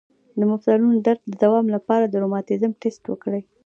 د مفصلونو د درد د دوام لپاره د روماتیزم ټسټ وکړئ